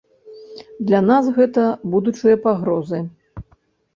Для нас гэта будучыя пагрозы.